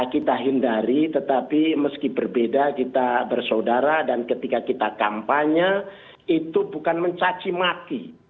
kita hindari tetapi meski berbeda kita bersaudara dan ketika kita kampanye itu bukan mencacimaki